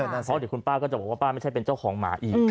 เพราะเดี๋ยวคุณป้าก็จะบอกว่าป้าไม่ใช่เป็นเจ้าของหมาอีก